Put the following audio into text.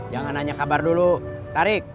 jangan nanya kabar dulu tarik